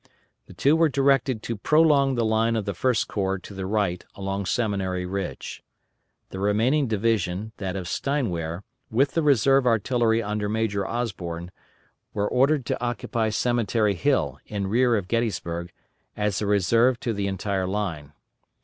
The two were directed to prolong the line of the First Corps to the right along Seminary Ridge. The remaining division, that of Steinwehr, with the reserve artillery under Major Osborne, were ordered to occupy Cemetery Hill, in rear of Gettysburg, as a reserve to the entire line.